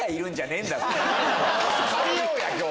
借りようや今日！